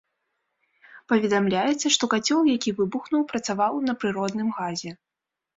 Паведамляецца, што кацёл, які выбухнуў, працаваў на прыродным газе.